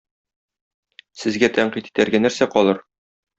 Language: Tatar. Сезгә тәнкыйть итәргә нәрсә калыр?